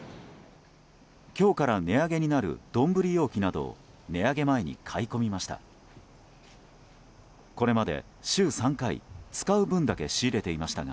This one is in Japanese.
今日から値上げになる丼容器などを値上げ前に買い込みました。